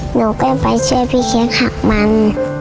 หนูก็ไปช่วยพี่เค้กมัน